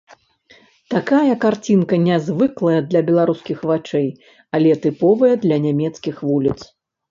Такая карцінка нязвыклая для беларускіх вачэй, але тыповая для нямецкіх вуліц.